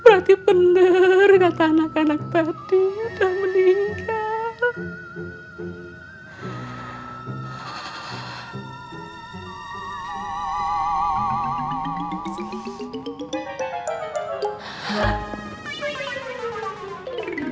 berarti bener kata anak anak tadi udah meninggal